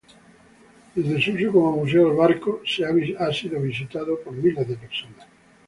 Desde su uso como museo, el barco ha sido visitado por miles de personas.